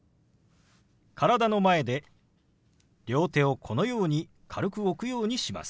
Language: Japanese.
体の前で両手をこのように軽く置くようにします。